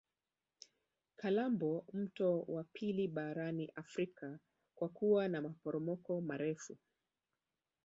kalambo mto wa pili barani afrika kwa kuwa na maporomoko marefu